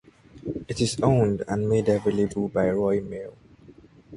It is owned and made available by Royal Mail.